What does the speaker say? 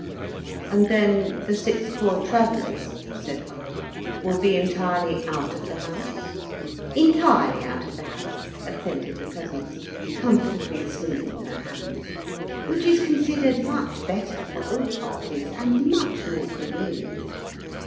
"And then the six Poor Travellers," said I, "will be entirely out of the house?" "Entirely out of the house," assented the presence, comfortably smoothing her hands. "Which is considered much better for all parties, and much more conwenient."